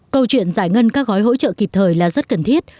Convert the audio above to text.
câu chuyện giải ngân các gói hỗ trợ kịp thời là rất cần thiết